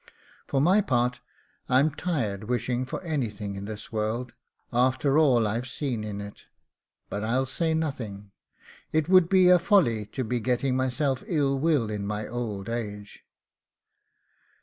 For my part, I'm tired wishing for anything in this world, after all I've seen in it; but I'll say nothing it would be a folly to be getting myself ill will in my old age.